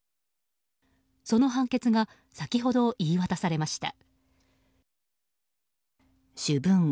その判決が先ほど言い渡されました。